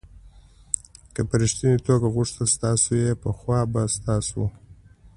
که په ریښتني توګه غوښتل ستاسو وي پخوا به ستاسو و.